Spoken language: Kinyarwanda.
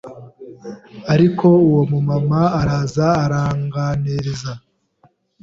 ariko uwo mumama araza aranganiriza